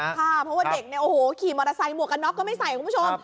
เพราะว่าเด็กเนี่ยโอ้โหขี่มอเตอร์ไซค์หมวกกันน็อกก็ไม่ใส่คุณผู้ชม